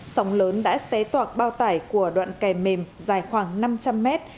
sóng lớn đã xé toạc bao tải của đoạn kè mềm dài khoảng năm trăm linh mét